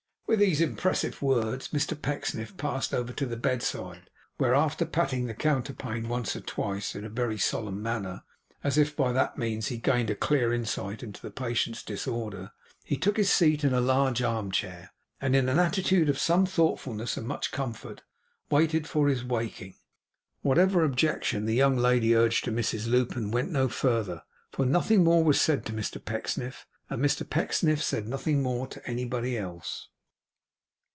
With these impressive words, Mr Pecksniff passed over to the bedside, where, after patting the counterpane once or twice in a very solemn manner, as if by that means he gained a clear insight into the patient's disorder, he took his seat in a large arm chair, and in an attitude of some thoughtfulness and much comfort, waited for his waking. Whatever objection the young lady urged to Mrs Lupin went no further, for nothing more was said to Mr Pecksniff, and Mr Pecksniff said nothing more to anybody else.